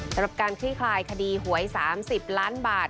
สำหรับการคลี่คลายคดีหวย๓๐ล้านบาท